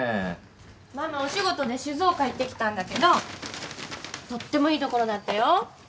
ママお仕事で静岡行ってきたんだけどとってもいい所だったよ。